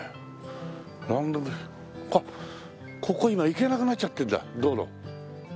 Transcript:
あっここ今行けなくなっちゃってんだ道路。